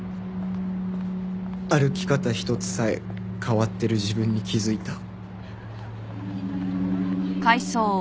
歩き方一つさえ変わってる自分に気づいた。